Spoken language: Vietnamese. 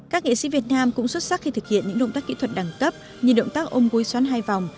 các nghệ sĩ việt nam cũng xuất sắc khi thực hiện những động tác kỹ thuật đẳng cấp như động tác ôm gối xoắn hai vòng